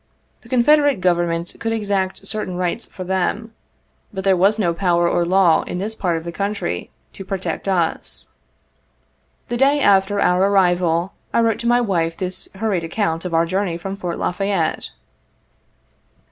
The Confederate Government could exact certain rights for them, but there was no power or law in this part of the country, to protect us. The day after our arrival, I wrote to my wife this hur ried account of our journey from Fort La Fayette.